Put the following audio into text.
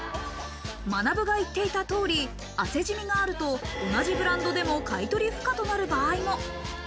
まなぶが言っていた通り、汗じみがあると、同じブランドでも買い取り不可となる場合も。